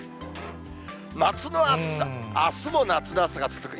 夏の暑さ、あすも夏の暑さが続く。